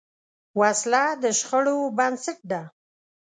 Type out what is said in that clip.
وسله د شخړو بنسټ ده